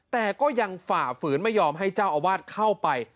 แต่ก็ยังฝ่าฝืนไม่ยอมให้เจ้าอาวาสเข้าไป